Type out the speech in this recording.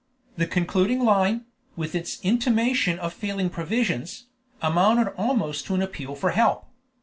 The concluding line, with its intimation of failing provisions, amounted almost to an appeal for help.